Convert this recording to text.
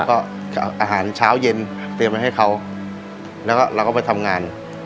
อาหารเตรียมมาให้เขาแล้วก็ไปทำงาน